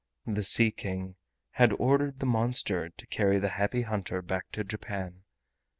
The Sea King had ordered the monster to carry the Happy Hunter back to Japan.